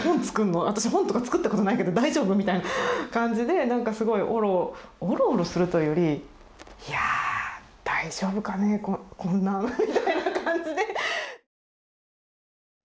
私本とか作ったことないけど大丈夫？」みたいな感じでなんかすごいオロオロオロするというより「いや大丈夫かねこんなん」みたいな感じで。